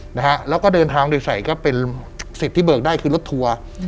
นะฮะแล้วก็เดินทางโดยใส่ก็เป็นสิทธิ์ที่เบิกได้คือรถทัวร์อืม